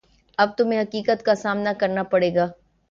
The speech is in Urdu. اب تمہیں حقیقت کا سامنا کرنا پڑے گا